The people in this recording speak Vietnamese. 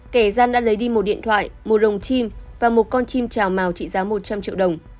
kẻ gian đã lấy đi một điện thoại một lồng chim và một con chim trào mào trị giá một trăm linh triệu đồng